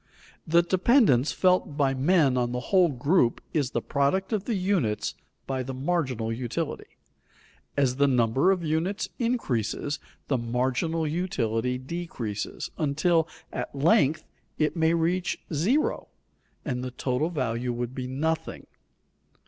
The dependence felt by men on the whole group is the product of the units by the marginal utility. As the number of units increases, the marginal utility decreases, until at length it may reach zero, and the total value would be nothing.